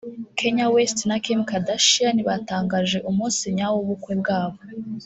Kanye West na Kim Kardashian batangaje umunsi nyawo w’ubukwe bwabo